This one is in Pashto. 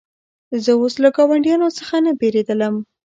زه اوس له ګاونډیانو څخه نه بېرېدلم.